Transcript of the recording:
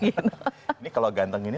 ini kalau ganteng ini